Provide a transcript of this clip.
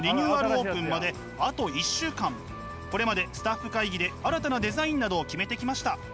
これまでスタッフ会議で新たなデザインなどを決めてきました。